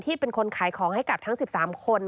เป็นคนขายของให้กับทั้ง๑๓คน